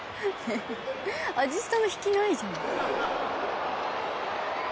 味スタの引きないじゃん。